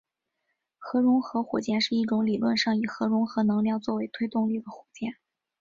核融合火箭是一种理论上以核融合能量作为推动力的火箭。